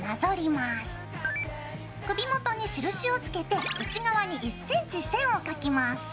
首元に印をつけて内側に１ｃｍ線を描きます。